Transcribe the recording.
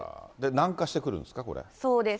南下してくるんですそうです。